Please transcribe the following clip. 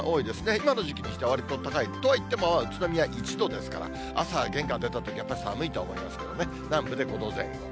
今の時期にしてはわりと高い、とはいっても、宇都宮１度ですから、朝は玄関出たときはやっぱり寒いと思いますけどね、南部で５度前後。